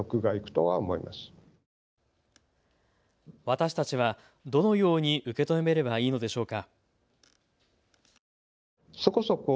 私たちは、どのように受け止めればいいのでしょうか。